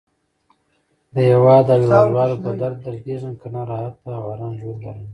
د هیواد او هیواد والو په درد دردېږم. کنه راحته او آرام ژوند لرم.